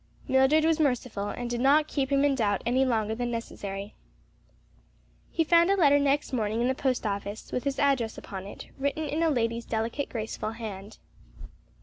Mildred was merciful and did not keep him in doubt any longer than necessary. He found a letter next morning, in the post office, with his address upon it, written in a lady's delicate graceful hand.